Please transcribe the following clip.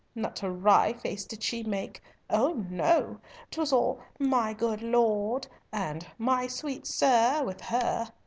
Not a wry face did she make. Oh no! 'Twas all my good lord, and my sweet sir with her.